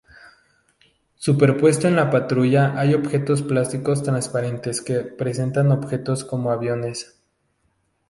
Superpuestos en la pantalla hay objetos plásticos transparentes que representan objetos como aviones.